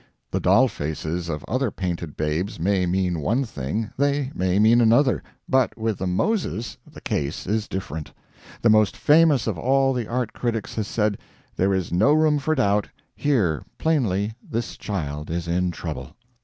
The doll faces of other painted babes may mean one thing, they may mean another, but with the "Moses" the case is different. The most famous of all the art critics has said, "There is no room for doubt, here plainly this child is in trouble."